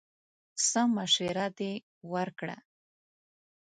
څه مشوره دې ورکړه!